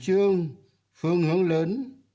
chủ trương phương hướng lớn